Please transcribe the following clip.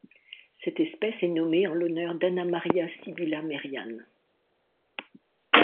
Cette espèce est nommée en l'honneur d'Anna Maria Sibylla Merian.